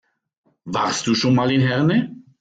Warst du schon mal in Herne?